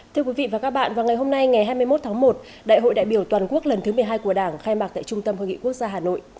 thưa quý vị và các bạn vào ngày hôm nay ngày hai mươi một tháng một đại hội đại biểu toàn quốc lần thứ một mươi hai của đảng khai mạc tại trung tâm hội nghị quốc gia hà nội